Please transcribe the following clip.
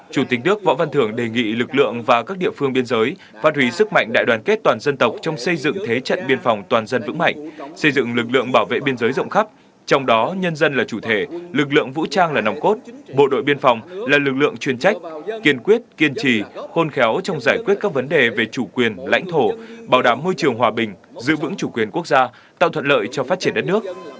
chủ tịch nước võ văn thưởng đề nghị lực lượng và các địa phương biên giới phát hủy sức mạnh đại đoàn kết toàn dân tộc trong xây dựng thế trận biên phòng toàn dân vững mạnh xây dựng lực lượng bảo vệ biên giới rộng khắp trong đó nhân dân là chủ thể lực lượng vũ trang là nòng cốt bộ đội biên phòng là lực lượng chuyên trách kiên quyết kiên trì khôn khéo trong giải quyết các vấn đề về chủ quyền lãnh thổ bảo đảm môi trường hòa bình giữ vững chủ quyền quốc gia tạo thuận lợi cho phát triển đất nước